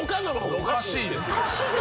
おかしいですよね。